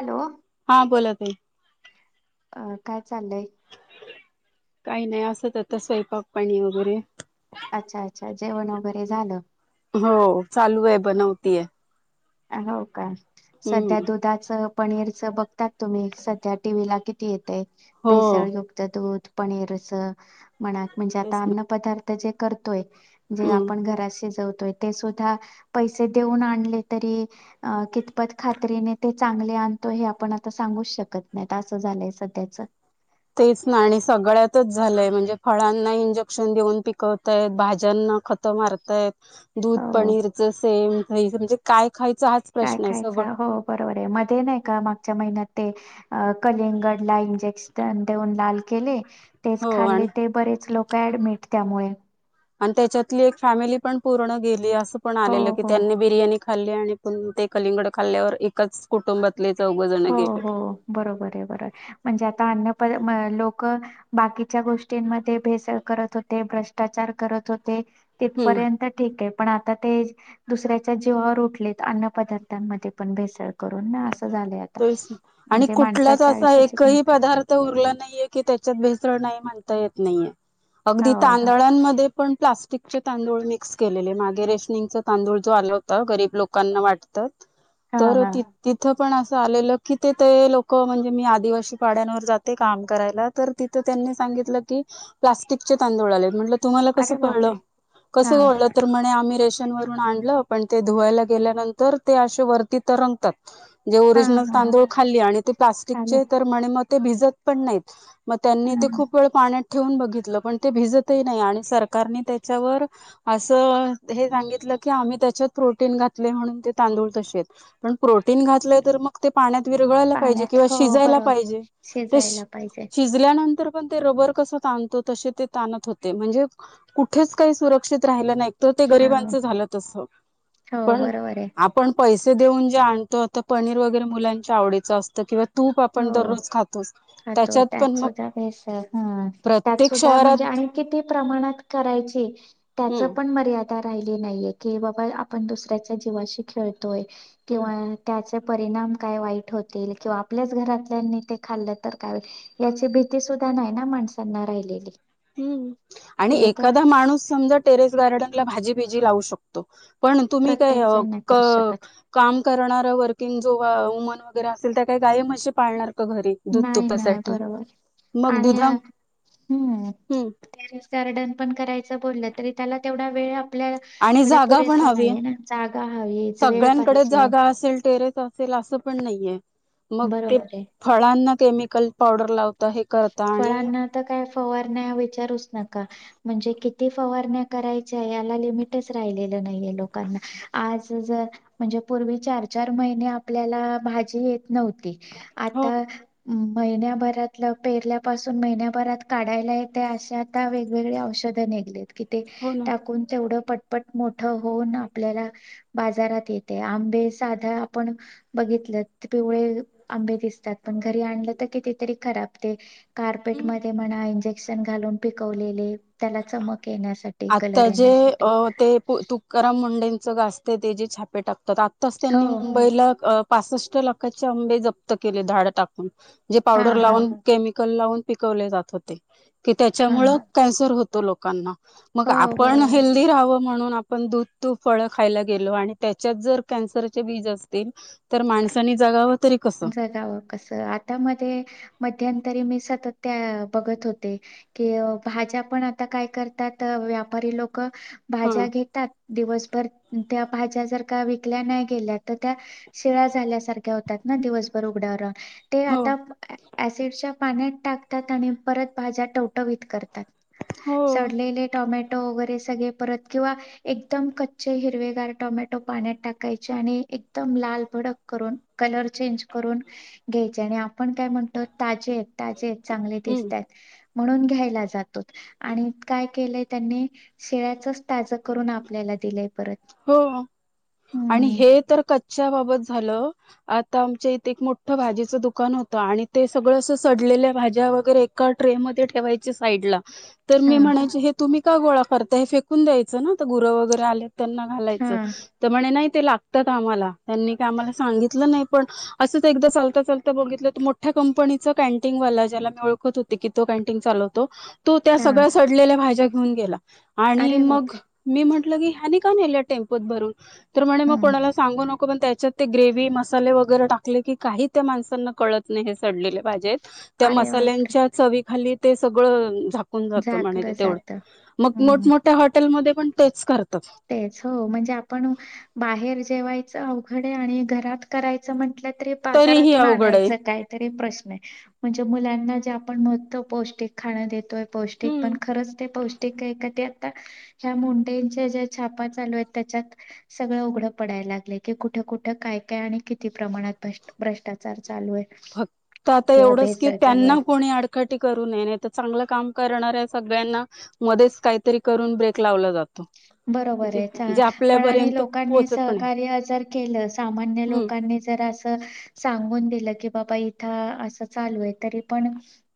Hello! हा बोला की. अ काय चाललंय? काही नाही असत त स्वयपाक पाणी वगैरे. अच्छा अच्छा जेवण वगैरे झालं? हो चालू आहे बनवतीय. हो का? सध्या हम्म दुधाच पनीरच बघतात तुम्ही सध्या टीव्ही ला किती येते हो भेसळयुक्त दूध. पनीर अस म्हणा म्हणजे तेच आता ना अन्न पदार्थ जे करतोय जे हम्म आपण घरा शिजवतोय ते सुद्धा पैसे देऊन आणले तरी अ कितपत खात्रीने ते चांगले आणतो हे आपण आता सांगूच शकत नाही असं झालंय सध्याच. तेच ना आणि सगळ्यातच झालंय म्हणजे फळांना इंजेक्शन देऊन पिकवतायत, भाज्यांना ख त मारताय दूध, हो पनीरच सेम म्हणजे काय खायचं आज. काय खायच हो बरोबर आहे मध्ये नाही का मागच्या महिन्यात ते अ कलिंगडला इंजेक्शन देऊन लाल केले. तोच हो खाल्ले आणि ते बरेच लोक ऍडमिट त्यामुळे. आणि त्याच्यातली एक फॅमिली पण पूर्ण गेली असं पण हो आलेलं की हो त्यांनी बिर्याणी खाल्ली आणि पण ते कलिंगड खाल्ल्यावर एकाच कुटुंबातले चौघ जण हो गेले. हो बरोबर आहे बरोबर म्हणजे आता अनन प लोक बाकीच्या गोष्टींमध्ये भेसळ करत होते, भ्रष्टाचार करत होते हम्म तिथपर्यंत ठीक आहे पण आता ते दुसऱ्याच्या जीवावर उठलेत अन्न पदार्थांमध्ये पण भेसळ करून ना असं झाले. तेच ना आणि कुठलाच असा किंमत एकही आहे. पदार्थ उरला नाहीये की त्याच्यात भेसळ नाही म्हणता येत नाहीये अगदी हो हो तांदळांमध्ये पण प्लास्टिकचे तांदूळ मिक्स केलेले मागे रेशनिंगचा तांदूळ जो आला होता गरीब लोकांना वाटतं. [inaudible] तर ति तिथं पण अस झालेलं कि तिथ ते लोक म्हणजे मी आदिवासी पाहड्यांवर जाते काम करायला. तर तिथं त्यांनी सांगितलं की प्लास्टिक चे तांदूळ आले म्हटल तुम्हाला कसं अरे बापरे! कळलं, कसं हां, ओळख तर म्हणे आम्ही रेशन वरून आणलं पण ते धुवायला गेल्यानंतर ते असे वरती तरंगतात. जे हां, ओरिजिनल हां, हां, तांदूळ खाल्ली आणि ते खाली प्लास्टिकचे तर म्हणे मग ते भिजत पण नाहीत. मग त्यांनी ते हां, खूप वेळ पाण्यात ठेवून बघितलं पण ते भिजतही नाही आणि सरकारने त्याच्यावर असं हे सांगितलं की आम्ही त्याच्यात प्रोटीन घातले म्हणून ते तांदूळ तसे आहेत. पण प्रोटीन घातलंय तर मग ते पाण्यात विरगळाला पाहिजे पाण्यात किंवा हो शिजायला बरोबर. पाहिजे. शिजायला [unintelligible] पाहिजे. शिजल्यानंतर पण ते रबर कस ताणतो तसे ते ताणत होते म्हणजे कुठेच काही सुरक्षित राहिलं नाही. तर ते हो, गरीबांच झालं तस. हो पण बरोबर आहे. आपण पैसे देऊन जे आणतो तो पनीर वगैरे मुलांच्या आवडीचं असतं किंवा तूप आपण हो, दररोज खातोच खातो त्याच्यात त्यात पण मग. सुद्धा भेसळ हां. त्यात प्रत्येक सुद्धा म्हणजे शहरात आणि किती प्रमाणात करायचे त्याचं हम्म पण मर्या दा राहिली नाहीये की बाबा आपण दुसऱ्याच्या जीवाशी खेळतोय हम्म किंवा त्याचे परिणाम काय वाईट होतील किंवा आपल्याच घरातल्यांनी ते खाल्लं तर काय याची भीती सुद्धा नाही ना माणसांना राहिलेली. हंम्, आणि ते आता एखादा माणूस समजा टेरेस गार्डनला भाजी बीजी लावू शकतो. तो, पण तुम्ही तर प्रत्येक जण नाही क करू शकत. काम करणार वर्किंग जो वुमन वगैरे असेल, त त्या काय गायी म्हशी पाळणार का घरी? दूध नाही -नाही तुपासाठी बरोबर अ मग आणि दुधा हम्म हम्म, टेरिस गार्डन पण करायचं बोललं तरी त्याला तेवढा वेळ ला आपल्या आणि कडे जागा पण पुरेसा हवी नाहीये ना, जागा हवीच, वेळ पाहिजे. असल टेरे त असेल असं पण नाही ये, मग ते बरोबर आहे फळना केमिकल पावडर लावता हे कर फळांना त काय फवारण्या विचारूच नका. म्हणजे किती फवारण्या करायच्या, याला लिमिटचं राहिलेलं नाहीये लोकांना. आज जर म्हणजे पूर्वी चार- चार महिने आपल्याला भाजी येत नव्हती. हो आता महिन्या भरातलं पेरल्यापासून महिन्याभरात काढायला येते, अशे आता वेगवेगळी औषधं निघलेत. कि ते हो ना टाकून तेवढं पटपट मोठं होऊन आपल्याला बाजारात येते, आंबे साधा आपण बघितलं त पिवळे आंबे दिसतात, पण घरी आणलं तर किती तरी खराब ते कारपेट हम्म मध्ये म्हणा, इंजेक्शन घालून पिकवलेले त्याला चमक येण्यासाठी, आता कलर जे अ येण्यासाठी. ते तुकाराम मुंडेंचं गाजतेयं ते जे छापे टाकतात, आत्ताच हो त्यांनी मुंबईला अं पासष्ट लाखाचे आंबे जप्त केले धाड टाकून, जे हा पावडर हा लावून केमिकल लावून पिकवले जात होते, की हा त्याच्यामुळं कॅन्सर होतो लोकांना. मग हो आपण बरोबर आहे हेल्दी राहावं म्हणून आप पण दूध, तूप, फळं खायला गेलो आणि त्याच्यात जर कॅन्सरचे बीज असतील तर माणसानी जागाव जगावं कसं, आत्ता मध्ये मध्यंतरी मी सतत ते बघत होते कि अं भाज्या पण आता काय करतात, व्यापारी लोक ह भाज्या घेतात दिवसभर त्या भाज्या जर का विकल्या नाही गेल्या, तर त्या शिळा्या झाल्यासारख्या होतात. ना दिवसभर उघडावर रा ते हो आता ऍसिडच्या पाण्यात टाकतात, आणि परत भाज्या टवटवीत करतात. हो सडलेले टोमॅटो वगैरे सगळे परत किंवा एकदम कच्चे हिरवेगार टमॅटो पाण्यात टाकायचे आणि एकदम लाल भडक करून, कलर चेंज करून घ्यायचे आणि आपण काय म्हणतो, ताजे त ताजे त चांगले हम्म दिसतात. म्हणून घ्यायला जातोत. आणि काय केलंय त्यांनी शिळ्याचचं ताजं करून आपल्याला दिलंय परत. हो-हो, आणि हम्म हे तर कच्च्या बाबत झालं. आता आमच्या इथे एक मोठं भाजीचं दुकान होतं आणि ते सगळं असं सडलेल्या भाज्या वगैरे का ट्रे मध्ये ठेवायचे साईड ला. तर हा मी म्हणायची हे तुम्ही का गोळा करता हे, फेकून द्यायचं ना तर गुरं वगैरे आले त्यांना हा घालायचं. तर म्हणे नाही ते लागतात आम्हाला, त्यांनी का आम्हाला सांगितलं नाही पण असं एकदा चालता- चालता बघितलं त मोठ मोठ्या कंपनीचा कॅनटीनवाला ज्याला मी ओळखतं होते की तो कॅन्टीन चालवतो. तो त्या हा सगळ्या सडलेल्या भाज्या घेऊन गेला, आणि अरे मग बापरे मी म्हंटलं की हयाणी का नेले टेम्पोत भरून, तर म्हणे म हम्म कोणाला सांगु नको, पण त्याच्यात ते ग्रेवी मसाले वगैरे टाकले की, काही त्या माणसांना कळतं नाही हे सडलेले भाज्या हे त. त्या अरे वा मसाल्यांच्या चवी खाली ते सगळं झा जात म्हणे ते झाकलं तेवढं जात मग हम्म मोठमोठ्या हॉटेलमध्ये पण तेच करतात. तेच हो म्हणजे आपण बाहेर जेवायचं अवघडे आणि घरात करायचं म्हटलं तरी तरीही बाजारातून अवघड आहे आणायचं काय. तरी प्रश् आहे म्हणजे मुलांना जे आपण म्हणतो पौष्टिक खाण देतोय पौष्टिक पण हम्म खरंच ते पौष्टिक आहे ते आता ह्या मुंडे्यांच्या ज्या छापा चालू आहेत त्याच्यात सगळं उघडं पडायला लागले की कुठं-कुठं काय-काय आणि किती प्रमाणात बस भ्रष्टाचार चालू आहे. फक्त आता किंवा एवढंच की भेसळ चालू आहे त्यांना कोणी अड कटी करू नये नाही तर चांगलं काम करणार आहे सगळ्यांना मध्येच काहीतरी करून ब्रेक लावला जातो. बरोबर जे आहे. जे पण आणि आपल्यापर्यंत लोकांनी पोहोचत पण आहे सहकार्य जर केलं सामान्य हम्म लोकांनी जर अस सांगून दिलं की बाबा इथं असं चालू आहे तरी पण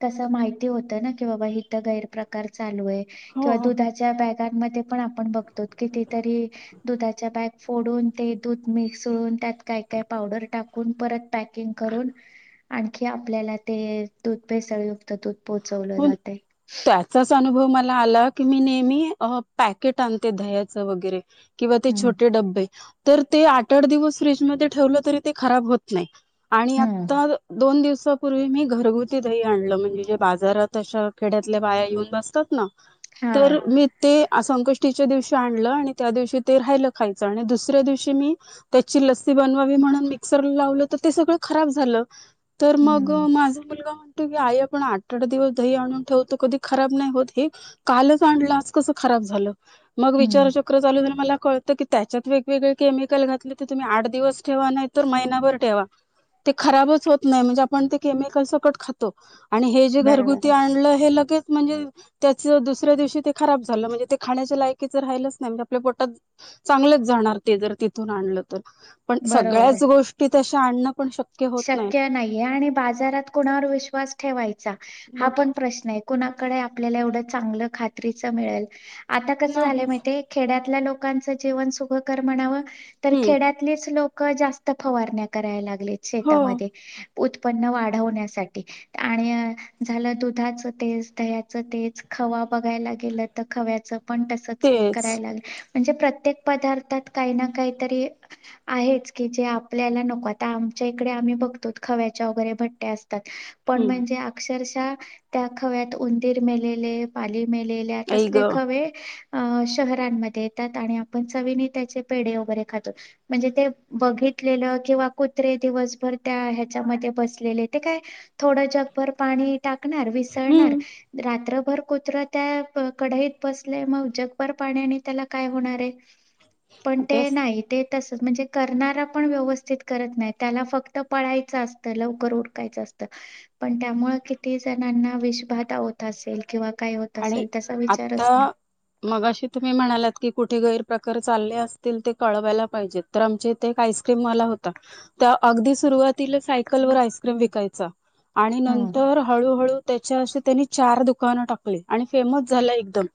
तसं माहिती होतं ना की बाबा हिथ गैर प्रकार चालू आहे हो किंवा दुधाच्या बॅगांमध्ये पण आपण बघतो कितीतरी दुधाच्या बॅग फोडून ते दूध मिसळून त्यात काय-काय पावडर टाक ऊन परत पॅकिंग करून आणखी आपल्याला ते दूध पेसा त दूध पोहोचवलं जातय. जसं अनुभव मला आला की मी नेहमी पॅकेट आणते दह्याच वगैरे. किंवा ते हं, छोटे डबे तर ते आठ-आठ दिवस फ्रीजमध्ये ठेवलं तरी ते खराब होत नाही. आणि हं. आता दोन दिवसापूर्वी मी घरगुती दही आणलं म्हणजे जे बा जरा तश खेड्यातल्या बाया येऊन बसतात ना, हां. तर मी ते संकष्टीच्या दिवशी आणलं आणि त्या दिवशी ते राहिलं खायचं आणि दुसऱ्या दिवशी मी त्याची लस्सी बनवावी म्हणून मिक्सर लावलं तर ते सगळं खराब झालं. तर मग हं, माझा मुलगा म्हणतो की आई आपण आ आठ-आठ दिवस दही आणून ठेवत कधी खराब नाही होत हे कालच आणलं आज कसं खराब झालं? मग हं. विचारचक्र चालू मला क की त्याच्यात वेगवेगळे केमिकल घातले तर तुम्ही आठ दिवस ठेवा नाही तर महिनाभर ठेवा ते खराबच होत नाही म्हणजे आपण ते केमिकल सकट खातो. आणि हे जे बरोबर आहे. घरगुती आणलं हे लगेच म्हणजे त्याच दुसऱ्या दिवशी ते खराब झालं म्हणजे ते खाण्याच्या लायकीच राहिलंच नाही म्हणजे आपल्या पोटात चांगलंच जाणार ते जर तिथून आणलं तर पण बरोबर आहे. सगळ्याच गोष्टी तशी आण शक्य नाही आणि बाजारात कुणावर विश्वास ठेवायचा हा मग पण प्रश्न आहे. कुणाकडे आपल्याला एवढं चांगलं खात्रीच मिळेल आता कसं झालं नाहीच माहिती खेड्यातल्या लोकांच जीवन सुखकर म्हणाव तर हम्म खेड्यात लोक जास्त फवारण्या कराय लागले हो शेतामध्ये. उत्पन्न वाढवण्यासाठी. आणि झालं दुधाचं तेज, दह्याचं तेज, खवा बघायला गेलं त खव्याच पण तसच तेच कराय लाग. म्हणजे प्रत्येक पदार्थात काही ना काहीतरी आहेच की जे आपल्याला नको आता आम च्या इकडे आम्ही बघतोत खवच्या वगैरे भट्या असतात पण हम्म म्हणजे अक्षरशः त्या खव्यात उंदीर मेलेले, पाली मेलेल्या आई ग तसले खवे अं शहरांनमध्ये येतात आणि आपण चवीने त्याचे पेढे वगैरे खातो. म्हणजे ते बघितलेलं किंवा कु त्रे दिवसभर त्या ह्याच्या मध्ये बसलेले ते काय थोडं जगभर पाणी टाकणार वि सळणार हम्म रात्रभर कुत्रा त्या कढाईत बसले मग जगभर पाण्याने त्याला काय होणार आहे. पण ते तेच नाही ते तसंच म्हणजे करणारा पण व्यवस्थित करत नाही. त्याला फक्त पळायचं असतं लवकर उरकायचं असतं. पण त्यामुळे किती जणांना विषबाधा होत असेल किंवा काय होत आणि असेल त्याचा विचारच आता नाही. मगाशी तुम्ही म्हणालात की कुठे गैरप्रकार चालले असतील ते कळवायला पाहिजेत. तर आमच्याइथे एक आईस्क्रीमवाला होता त्या अगदी सुरुवातीला साय कल वर आईस्क्रीम हम्म विकायचा आणि हम्म नंतर हळूहळू त्याची अशी त्यांनी चार दुकान टाक ली आणि फेमस झाला एकदम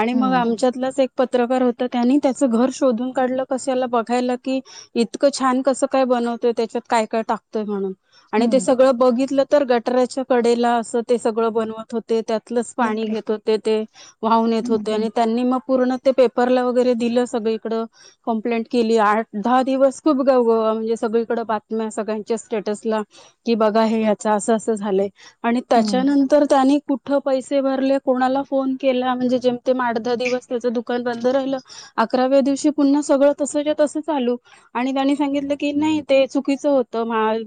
आणि मग आमच्यातलाच ऐक पत्रकार होत त्यांनी त्याचं घर शोधून काढलं कशाला बघायला की इतकं छान कसं काय बनवतोय त्याच्यात काय-काय टाकतोय म्हणून. आणि ते हम्म सगळं बघितलं तर गटाऱ्याच्या कडेला असं ते सगळं बनवत होते त्यातलच पाणी बापरे घेत होते ते वाहून येत हम्म होते हम्म आणि त्यांनी मग पूर्ण ते पेपरला वगैरे दिलं सगळीकडं. कंप्लेंट केली आठ-दहा दिवस खूप गव गवा म्हणजे सगळीकडं बातम्या सगळ्यांच्या स्टेटसला की बघा हे हयाच अस-अस झालंय आणि हम्म त्याच्यानंतर त्यांनी कुठ पैसे भरले कोणाला फोन केला म्हणजे जेमतेम आठ-दहा दिवस त्याच दुकान बंद राहिलं आकराव्या दिवशी पुन्हा सगळं तसंच्या तसं चालू आणि त्यांनी सांगितलं की नाही ते चुकीचं होतं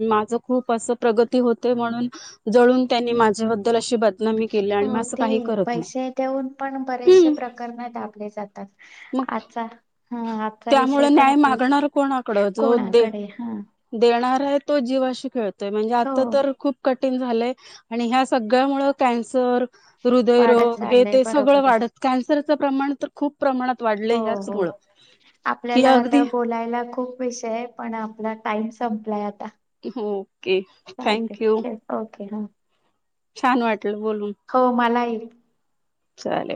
माझं खूप असं प्रगती होते म्हणून जळून त्यांनी माझ्याबद्दल अशी बदनामी केली. आणि म हो असं ते काही करत पैसे देऊन पण नाही बरेचसे प्रकरण दाबले जातात मग आजचा हा आजचा विषय त्यामुळे पण न्याय आपल्याला मागणार कोणाकडे हां. देणारा आहे तो जीवाशी खेळतोय म्हणजे हो आता तर खूप कठीण झालंय आणि ह्या सगळ्यामुळे कॅन्सर वाढत हृदयरोग हे चाललंय ते सगळं बरोबर आहे वाढत कॅन्सरचं प्रमाण तर खूप प्रमाणात वाढल. हो हो आपल्याला आता अगदी बोलायला खूप विषय आहे. पण आपला टाईम संपलाय आता. हो ओके. चालतेय थँक यू ओके हां कॉल करेन. छान वाटलं बोलून. हो मलाही. चालेल.